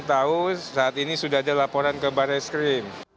tahu saat ini sudah ada laporan ke barat skrim